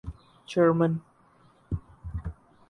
German